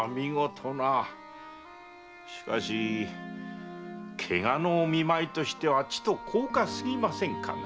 しかしケガの見舞いとしてはちと高価過ぎませんかな？